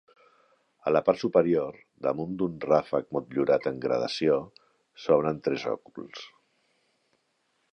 A la part superior, damunt d'un ràfec motllurat en gradació, s'obren tres òculs.